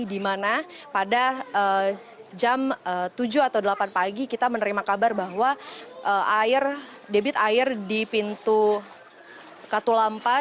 di mana pada jam tujuh atau delapan pagi kita menerima kabar bahwa debit air di pintu katulampa